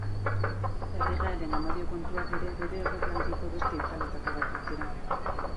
Erregearen amodio-kontuak ere bere erregealdiko beste itzaletako batzuk dira.